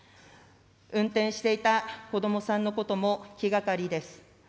運転していたこどもさんのことも気がかりです。